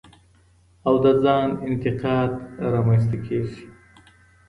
او د ځان انتقاد رامنځ ته کېږي.